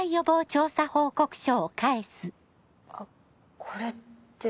あっこれって。